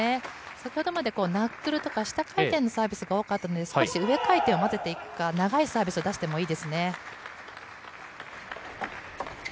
先ほどまでナックルとか下回転のサービスが多かったので、少し上回転を交ぜていくか、長いサービスを出してもいいですね。